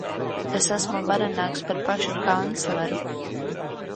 Es esmu varenāks par pašu kancleru.